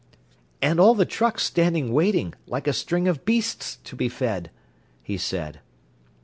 "And all the trucks standing waiting, like a string of beasts to be fed," he said.